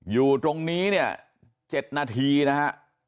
อยู่ตรงนี้เนี่ย๗นาทีนะฮะ